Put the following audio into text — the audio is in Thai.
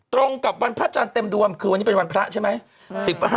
ตรงกับวันพระจันทร์เต็มดวงคือวันนี้เป็นวันพระใช่ไหม